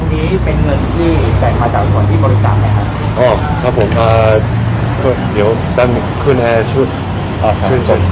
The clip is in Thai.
คืนนี้เป็นเงินที่จัดมาจากอุปสรรคที่บริษัทไหมครับอ๋อครับผมอ่าเดี๋ยวตั้งคืนแอร์ชุดอ่าชุด